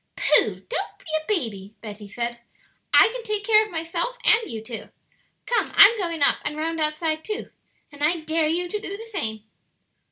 "Pooh!" said Betty, "don't be a baby; I can take care of myself and you too. Come, I'm going up and round outside too; and I dare you to do the same."